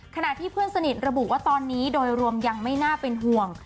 ขณะที่เพื่อนสนิทระบุว่าตอนนี้โดยรวมยังไม่น่าเป็นห่วง